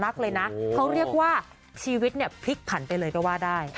เขาเรียกว่าชีวิตเนี่ยพลิกผันไปเลยก็ว่าได้